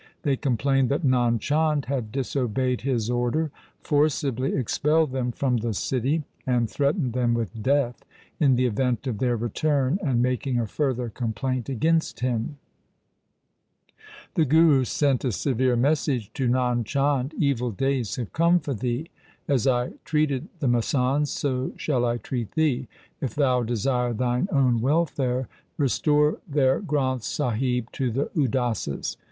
They com plained that Nand Chand had disobeyed his order, forcibly expelled them from the city, and threatened them with death in the event of their return and making a further complaint against him. The Guru sent a severe message to Nand Chand, ' Evil days have come for thee. As I treated the masands so shall I treat thee. If thou desire thine own welfare, restore their Granth Sahib to the Udasis.'